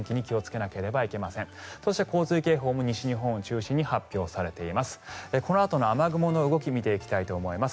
洪水情報も西日本を中心に発表されています。